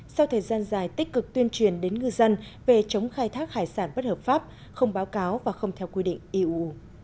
sau thời gian dài tích cực tuyên truyền đến ngư dân về chống khai thác hải sản bất hợp pháp không báo cáo và không theo quy định eu